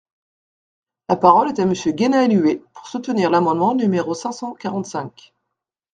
La parole est à Monsieur Guénhaël Huet, pour soutenir l’amendement numéro cinq cent quarante-cinq.